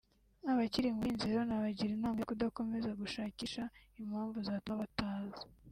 Abakiri mu buhunzi rero nabagira inama yo kudakomeza gushakisha impamvu zatuma bataza